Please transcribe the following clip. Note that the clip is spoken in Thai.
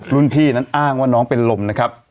รุ่นพี่นั้นอ้างว่าน้องเป็นลมนะครับ